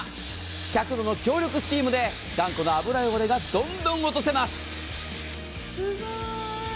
１００度の強力スチームで頑固な油汚れがどんどん落とせます。